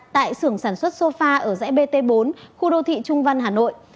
tại xưởng sản xuất sofa ở dãy bt bốn khu đô thị trung văn hà nội